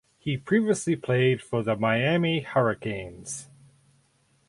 He previously played for the Miami Hurricanes.